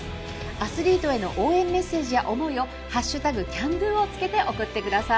アスリートへの応援メッセージや思いを「＃ＣＡＮＤＯ」をつけて送ってください。